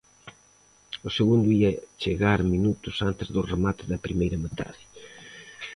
O segundo ía chegar minutos antes do remate da primeira metade.